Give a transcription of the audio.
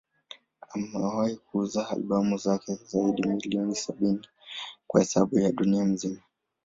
Amewahi kuuza albamu zake zaidi ya milioni sabini kwa hesabu ya dunia nzima.